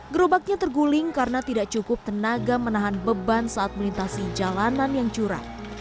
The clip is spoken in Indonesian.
gerobaknya terguling karena tidak cukup tenaga menahan beban saat melintasi jalanan yang curang